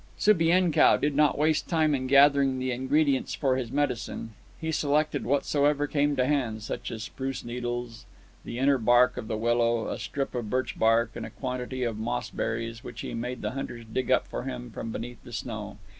Subienkow did not waste time in gathering the ingredients for his medicine, he selected whatsoever came to hand such as spruce needles, the inner bark of the willow, a strip of birch bark, and a quantity of moss berries, which he made the hunters dig up for him from beneath the snow.